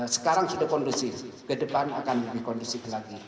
sekarang sudah kondusif ke depan akan lebih kondusif lagi